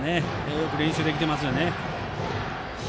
よく練習できていますね。